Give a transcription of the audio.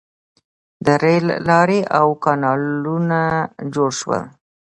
• د رېل لارې او کانالونه جوړ شول.